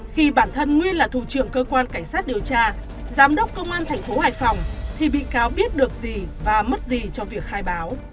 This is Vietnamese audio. khi bản thân nguyên là thủ trưởng cơ quan cảnh sát điều tra giám đốc công an thành phố hải phòng thì bị cáo biết được gì và mất gì trong việc khai báo